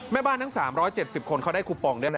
แม่บ้านทั้ง๓๗๐คนเขาได้คูปองด้วยนะ